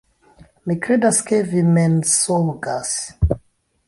Mi kredas, ke vi mensogas